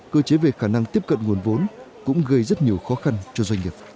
cơ chế về khả năng tiếp cận nguồn vốn cũng gây rất nhiều khó khăn cho doanh nghiệp